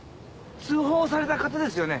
通報された方ですよね？